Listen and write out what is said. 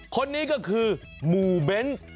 คนนี้ก็คือหมู่เบนส์